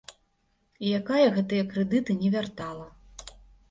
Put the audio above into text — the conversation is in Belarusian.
І якая гэтыя крэдыты не вяртала.